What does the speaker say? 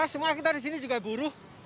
semua kita di sini juga buruh